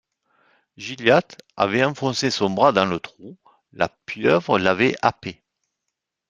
Gilliatt avait enfoncé son bras dans le trou ; la pieuvre l’avait happé.